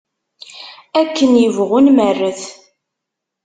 Akken ibɣu nmerret.